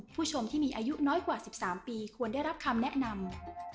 ผู้ชมที่มีอายุน้อยกว่า๑๓ปีควรได้รับคำแนะนำ